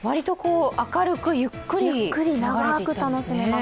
ゆっくり長く楽しめます。